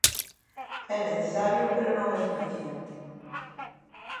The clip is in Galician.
É necesario pero non é suficiente.